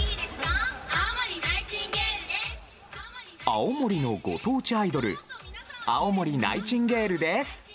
青森のご当地アイドル青森ナイチンゲールです。